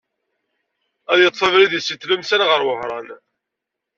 Ad d-yeṭṭef abrid-is seg Tlemsan ɣer Wehran.